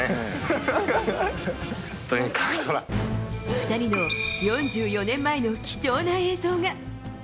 ２人の４４年前の貴重な映像が。